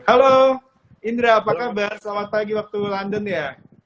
halo indra apa kabar selamat pagi waktu london ya